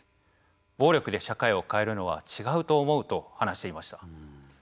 暴力で社会を変えるのは違うと思うと話していました。